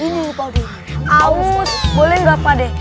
gini pade aus boleh gak pade